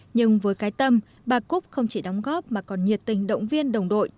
nhưng với cái tâm bà cúc không chỉ đóng góp mà còn nhiệt tình động viên đồng đội